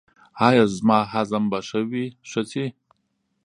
ایا زما هضم به ښه شي؟